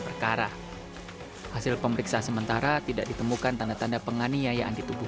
perkara hasil pemeriksaan sementara tidak ditemukan tanda tanda penganiayaan di tubuh